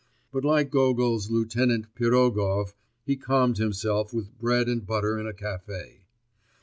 But like Gogol's lieutenant, Pirogov, he calmed himself with bread and butter in a café.